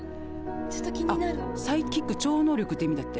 あサイキック超能力って意味だって。